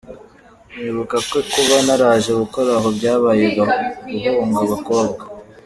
Nibuka ko kuba naraje gukora aho byabaye guhunga abakobwa.